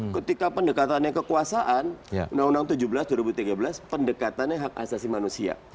ketika pendekatannya kekuasaan undang undang tujuh belas dua ribu tiga belas pendekatannya hak asasi manusia